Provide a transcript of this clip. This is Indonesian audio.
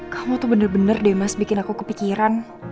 kamu tuh bener bener deh mas bikin aku kepikiran